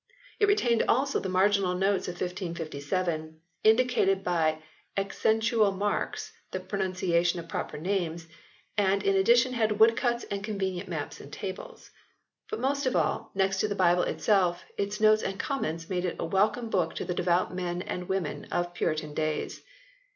It retained also the marginal notes of 1557 ; indicated by accentual marks the pronunciation of proper names ; and in addition had woodcuts and convenient maps and tables. But most of all, next to the Bible itself, its notes and comments made it a welcome book to the devout men and women of Puritan days.